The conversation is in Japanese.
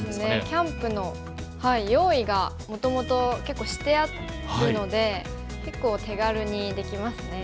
キャンプの用意がもともと結構してあるので結構手軽にできますね。